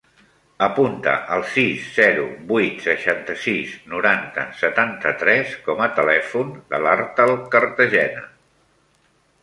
Apunta el sis, zero, vuit, seixanta-sis, noranta, setanta-tres com a telèfon de l'Artal Cartagena.